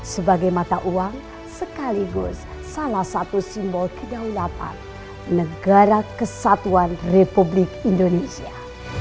sebagai mata uang sekaligus salah satu simbol kedaulatan negara kesatuan republik indonesia